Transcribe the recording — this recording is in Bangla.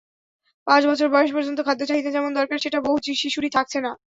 পাঁচ বছর বয়স পর্যন্ত খাদ্য–চাহিদা যেমন দরকার, সেটা বহু শিশুরই থাকছে না।